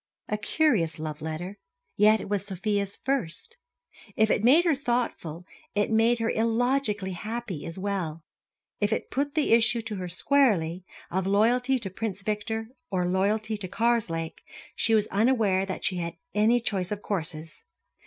A curious love letter; yet it was Sofia's first. If it made her thoughtful, it made her illogically happy as well. If it put the issue to her squarely, of loyalty to Prince Victor or loyalty to Karslake, she was unaware that she had any choice of courses.